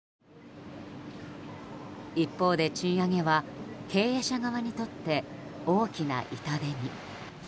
一方で、賃上げは経営者側にとって大きな痛手に。